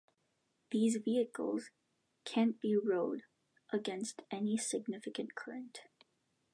These vehicles can’t be rowed against any significant current